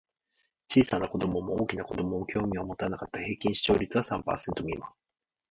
小さな子供も大きな子供も興味を持たなかった。平均視聴率は三パーセント未満。